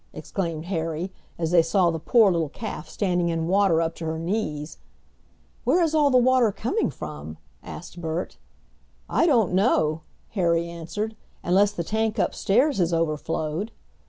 exclaimed Harry, as they saw the poor little calf standing in water up to her knees. "Where is all the water coming from?" asked Bert. "I don't know," Harry answered, "unless the tank upstairs has overflowed."